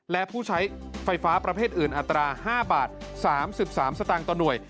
และผู้ใช้ไฟฟ้าประเภทอื่นอัตรา๕บาท๓๓สตางค์ต่อหน่วย